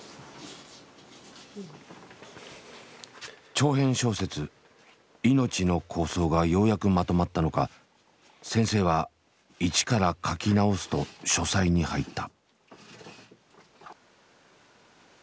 長編小説「いのち」の構想がようやくまとまったのか先生は一から書き直すと書斎に入った。